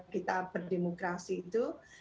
kita berdemokrasi itu